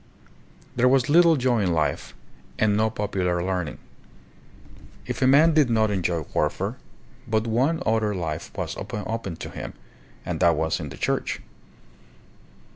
There was little joy in We and no popular learning. If a man did not enjoy warfare, but one other life was open to him, and that was in the Church.